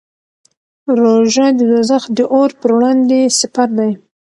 روژه د دوزخ د اور پر وړاندې سپر دی.